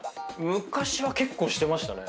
昔は結構してましたね。